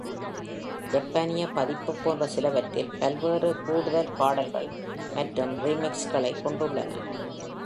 ஜப்பானிய பதிப்பு போன்ற சிலவற்றில் பல்வேற கூடுதல் பாடல்கள் மற்றும் ரீமிக்ஸ்களை கொண்டுள்ளன.